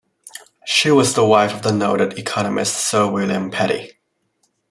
She was the wife of the noted economist Sir William Petty.